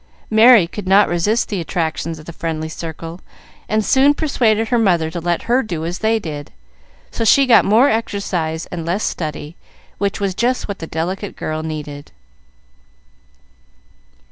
Merry could not resist the attractions of the friendly circle, and soon persuaded her mother to let her do as they did; so she got more exercise and less study, which was just what the delicate girl needed.